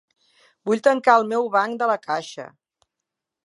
Vull tancar el meu banc de La Caixa.